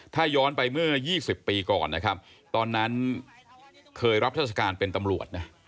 ถ้าย้อนไปเมื่อ๒๐ปีก่อนนะครับตอนนั้นเคยรับราชการเป็นตำรวจนะ